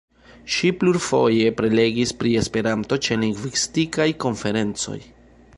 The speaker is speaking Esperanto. Ŝi plurfoje prelegis pri Esperanto ĉe lingvistikaj konferencoj.